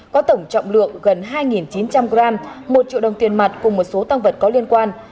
có tổng trọng lượng gần hai chín trăm linh g một triệu đồng tiền mặt cùng một số tăng vật có liên quan